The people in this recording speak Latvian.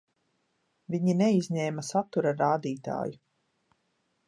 Viņi neizņēma satura rādītāju.